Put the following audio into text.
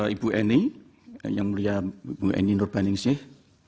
ibu eni yang mulia ibu eni nurbaningsih